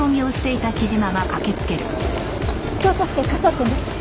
京都府警科捜研です。